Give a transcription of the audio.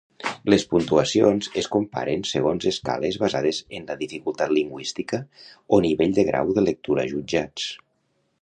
Les puntuacions es comparen segons escales basades en la dificultat lingüística o nivell de grau de lectura jutjats.